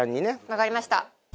分かりました。